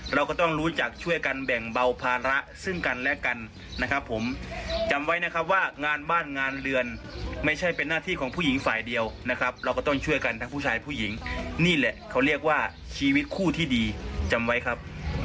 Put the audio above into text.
เราก็ต้องรู้จักช่วยกันแบ่งเบาภาระซึ่งกันและกันนะครับผมจำไว้นะครับว่างานบ้านงานเรือนไม่ใช่เป็นหน้าที่ของผู้หญิงฝ่ายเดียวนะครับเราก็ต้องช่วยกันทั้งผู้ชายผู้หญิงนี่แหละเขาเรียกว่าชีวิตคู่ที่ดีจำไว้ครับ